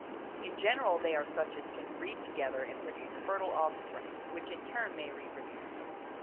In general they are such as can breed together and produce fertile offspring, which in turn may reproduce.